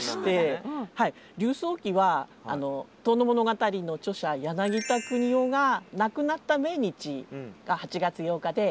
柳叟忌は「遠野物語」の著者柳田國男が亡くなった命日が８月８日で。